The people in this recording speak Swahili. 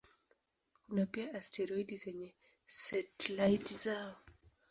Kuna pia asteroidi zenye satelaiti zao.